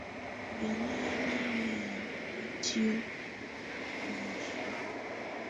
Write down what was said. Yɔlɔ̀ɔ̀ yɛ́ ná wɛyá itiǝ́ ɔ́ hiǝ́suǝ.